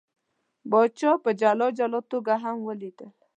پاچا په جلا جلا توګه هم ولیدل.